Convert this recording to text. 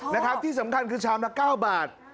นะครับที่สำคัญคือชามละ๙บาท